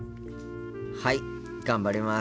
はい頑張ります。